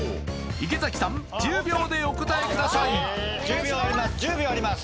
池崎さん１０秒でお答えください１０秒あります